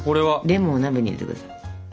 レモンを鍋に入れてください。